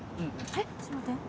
えっちょっと待って。